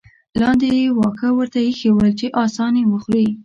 لاندې یې واښه ورته اېښي ول چې اسان یې وخوري.